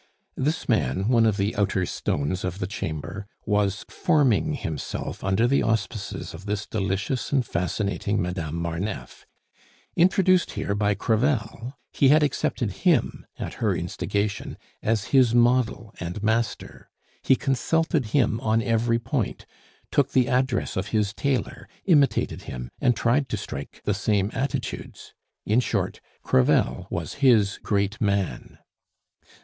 This man, one of the outer stones of the Chamber, was forming himself under the auspices of this delicious and fascinating Madame Marneffe. Introduced here by Crevel, he had accepted him, at her instigation, as his model and master. He consulted him on every point, took the address of his tailor, imitated him, and tried to strike the same attitudes. In short, Crevel was his Great Man.